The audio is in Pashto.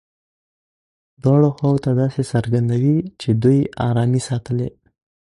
دواړو خواوو ته داسې څرګندوي چې دوی ارامي ساتلې.